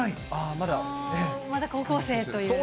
まだ高校生という。